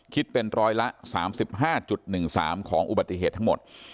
คิดเป็นร้อยละ๓๕๑๓ของอุบัติเหตุทั้งหมด